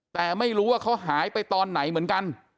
แต่ไม่รู้ว่าเขาหายไปตอนไหนเหมือนกัน